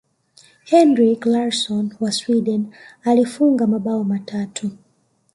henrik larson wa sweden alifunga mabao matatu